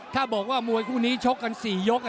ถ้าบอกว่ามวยคู่นี้ชกกัน๔ยก